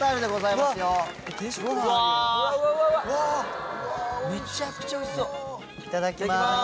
いただきます。